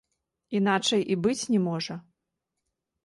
Іначай і быць не можа.